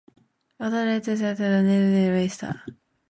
Other stores later opened in Chilliwack and New Westminster.